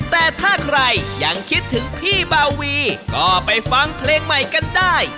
แต่ถ้าใครยังคิดถึงพี่บาวีก็ไปฟังเพลงใหม่กันได้